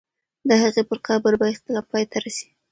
د هغې پر قبر به اختلاف پای ته رسېږي.